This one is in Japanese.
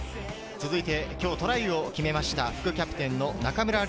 続いて今日トライを決めました副キャプテンの中村亮